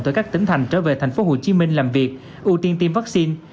từ các tỉnh thành trở về tp hcm làm việc ưu tiên tiêm vaccine